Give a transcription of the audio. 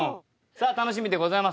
さあ楽しみでございます。